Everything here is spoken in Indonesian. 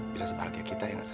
bisa sebahagia kita ya nasa